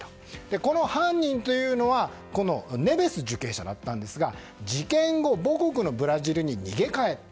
この犯人はネベス受刑者だったんですが事件後母国のブラジルに逃げ帰った。